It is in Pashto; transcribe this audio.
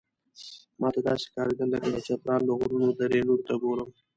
ماته داسې ښکارېدل لکه د چترال له غرونو دره نور ته ګورم.